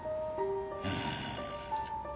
うん。